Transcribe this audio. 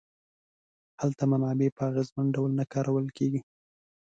هلته منابع په اغېزمن ډول نه کارول کیږي.